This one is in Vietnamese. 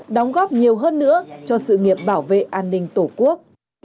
đóng góp nhiều hơn nữa cho sự nghiệp bảo vệ an ninh tổ quốc